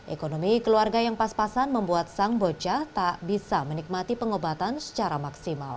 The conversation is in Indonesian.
ekonomi keluarga yang pas pasan membuat sang bocah tak bisa menikmati pengobatan secara maksimal